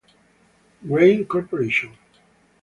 Grain Corporation.